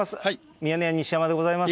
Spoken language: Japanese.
ミヤネ屋、西山でございます。